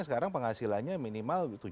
sekarang penghasilannya minimal tujuh belas